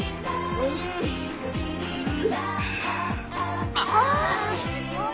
おいしい！